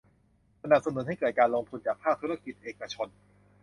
สนับสนุนให้เกิดการลงทุนจากภาคธุรกิจเอกชน